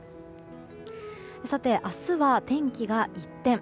さて、明日は天気が一転。